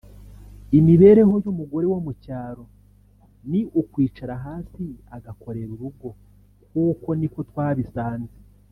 imibereho y’umugore wo mu cyaro ni ukwicara hasi agakorera urugo kuko niko twabisanze